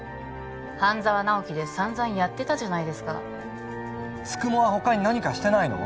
半沢直樹でさんざんやってたじゃないですか九十九は他に何かしてないの？